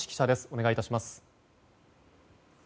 お願い致します。